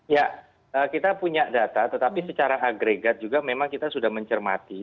ya kita punya data tetapi secara agregat juga memang kita sudah mencermati